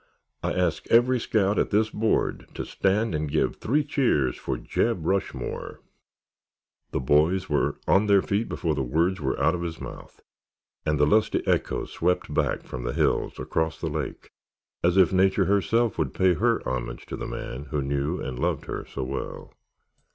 I ask every scout at this board to stand and give three cheers for Jeb Rushmore!" The boys were on their feet before the words were out of his mouth, and the lusty echo swept back from the hills across the lake as if nature herself would pay her homage to the man who knew and loved her so well.